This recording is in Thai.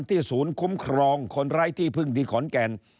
ศูนย์คุ้มครองคนไร้ที่พึ่งที่ขอนแก่น